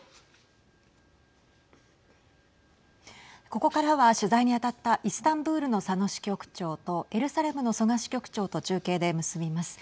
ここからは取材に当たったイスタンブールの佐野支局長とエルサレムの曽我支局長と中継で結びます。